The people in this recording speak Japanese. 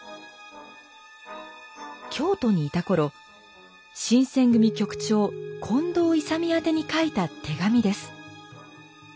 京都にいた頃新選組局長近藤勇宛てに書いた手紙です。